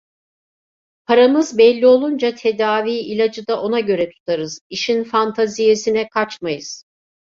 Paramız belli olunca tedaviyi, ilacı da ona göre tutarız, işin fantaziyesine kaçmayız.